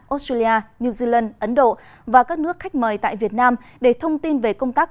australia new zealand ấn độ và các nước khách mời tại việt nam để thông tin về công tác